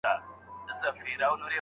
که لېوالتیا ولرئ نو کارونه به سم سي.